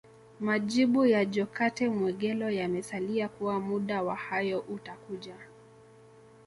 Majibu ya Jokate Mwegelo yamesalia kuwa muda wa hayo utakuja